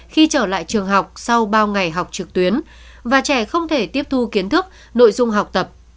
khi trở lại trường học sau bao ngày học trực tuyến và trẻ không thể tiếp thu kiến thức nội dung học tập